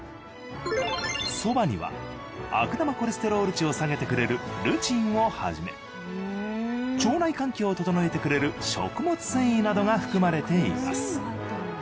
ソバには悪玉コレステロール値を下げてくれるルチンをはじめ腸内環境を整えてくれる食物繊維などが含まれています。